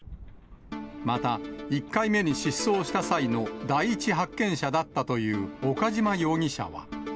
また、１回目に失踪した際の第一発見者だったという岡島容疑者は。